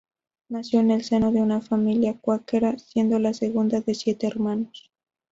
Nació en el seno de una familia cuáquera, siendo la segunda de siete hermanos.